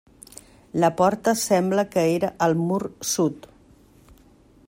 La porta sembla que era al mur sud.